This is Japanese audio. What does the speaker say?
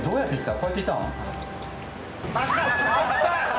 こうやっていったの？